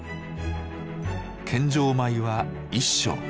献上米は１升。